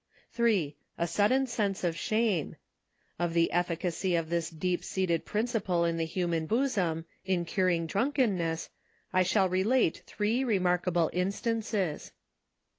3. A sudden sense of shame. Of the efficacy of this deep seated principle in the human bosom, in curing drunkenness, I shall relate three remarkable instances.